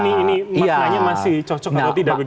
ini maknanya masih cocok atau tidak begitu